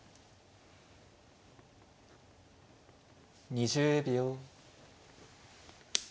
２０秒。